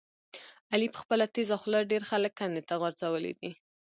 علي په خپله تېزه خوله ډېر خلک کندې ته غورځولي دي.